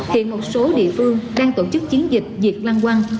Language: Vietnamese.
hiện một số địa phương đang tổ chức chiến dịch diệt lăng quăng